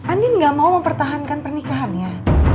andien gak mau mempertahankan pernikahannya